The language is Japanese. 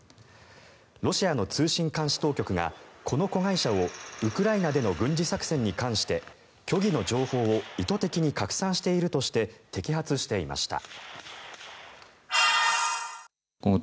ロシアの通信監視当局がこの子会社をウクライナでの軍事作戦に関して虚偽の情報を意図的に拡散しているとして摘発していました。